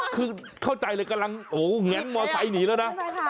คือเข้าใจเลยกำลังโอ้โหแง้มมอไซค์หนีแล้วนะ